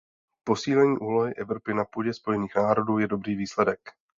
Posílení úlohy Evropy na půdě Spojených národů je dobrý výsledek.